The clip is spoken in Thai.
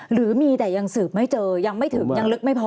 หรือมีแต่ยังสืบไม่เจอยังไม่ถึงยังลึกไม่พอ